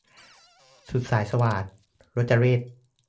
สุดสายสวาท - รจเรข